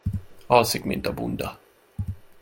Alszik, mint a bunda.